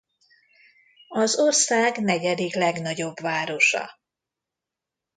Az ország negyedik legnagyobb városa.